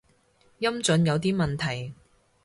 音準有啲問題